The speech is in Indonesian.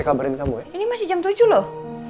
kabarin kamu ini masih jam tujuh loh